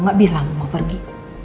gak bilang mau pergi